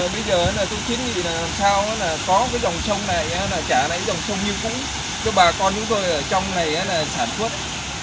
bây giờ tôi chính quyền làm sao có cái dòng sông này là chảy cái dòng sông hiu cúng cho bà con chúng tôi ở trong này sản xuất